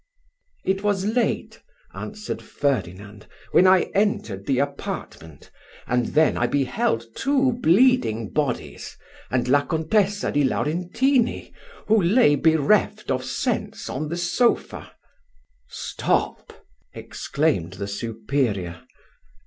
"It was late," answered Ferdinand, "when I entered the apartment, and then I beheld two bleeding bodies, and La Contessa di Laurentini, who lay bereft of sense on the sofa." "Stop!" exclaimed the superior.